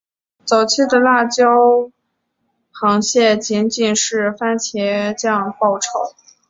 早期的辣椒螃蟹仅仅是用番茄酱爆炒。